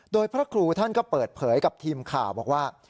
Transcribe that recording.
โดยพระครูท่านก็เปิดเผยกับทีมข่าวบอกว่า